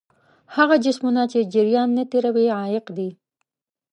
هغه جسمونه چې جریان نه تیروي عایق دي.